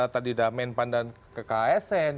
tadi sudah men pandang ke kasn